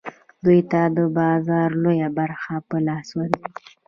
دوی ته د بازار لویه برخه په لاس ورځي